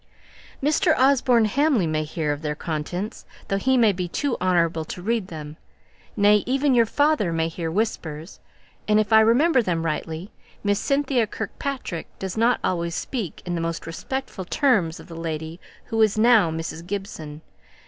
"Mr. Osborne Hamley may hear of their contents, though he may be too honourable to read them. Nay, even your father may hear whispers; and if I remember them rightly, Miss Cynthia Kirkpatrick does not always speak in the most respectful terms of the lady who is now Mrs. Gibson.